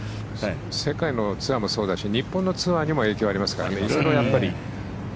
世界のツアーにもそうだし日本のツアーにも影響ありますからね、いろいろ。